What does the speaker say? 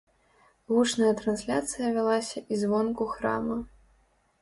Гучная трансляцыя вялася і звонку храма.